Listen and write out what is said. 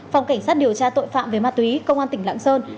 phòng cảnh sát điều tra tội phạm về ma túy công an tỉnh lạng sơn